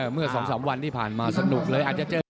เมื่อสองสามวันที่ผ่านมาสนุกเลย